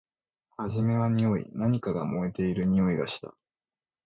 はじめはにおい。何かが燃えているにおいがした。